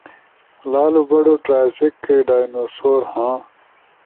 لالو بڑو ٹرائسیک کئی ڈائنو سور، ہاں۔